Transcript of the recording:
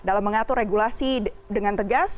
dalam mengatur regulasi dengan tegas